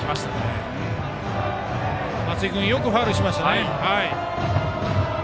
松井君よくファウルしましたね。